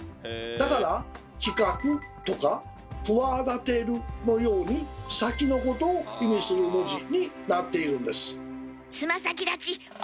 だから「企画」とか「企てる」のように先のことを意味する文字になっているんです。